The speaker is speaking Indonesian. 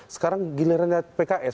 sekarang gilirannya pks